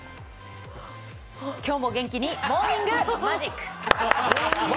今日も元気にモーニングマジック！